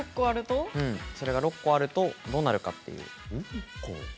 それが６個あるとどうなるか。